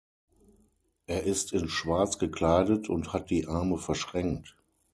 Er ist in Schwarz gekleidet und hat die Arme verschränkt.